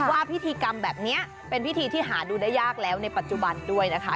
ว่าพิธีกรรมแบบนี้เป็นพิธีที่หาดูได้ยากแล้วในปัจจุบันด้วยนะคะ